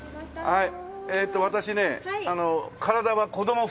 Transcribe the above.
はい。